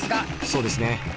そうですね。